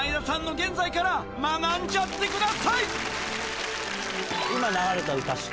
現在から学んじゃってください！